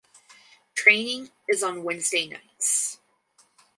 Training is on Wednesday nights.